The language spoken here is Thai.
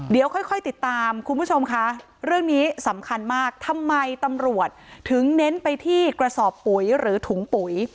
เดี๋ยวค่อยติดตามคุณผู้ชมคะเรื่องนี้สำคัญมากทำไมตำรวจถึงเน้นไปที่กระสอบปุ๋ยหรือถุงปุ๋ย